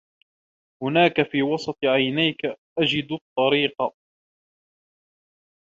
هناك في وسط عينيك اجد الطريق